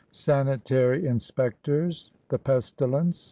SANITARY INSPECTORS.—THE PESTILENCE.